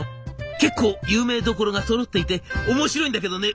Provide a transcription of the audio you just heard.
結構有名どころがそろっていて面白いんだけどね」。